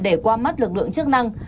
để qua mắt lực lượng chức năng